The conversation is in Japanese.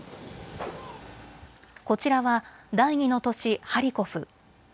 こちらは第２の都市ハリコフ。